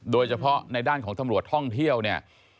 โดยเฉพาะในด้านของตำรวจท่องเที่ยวเนี่ย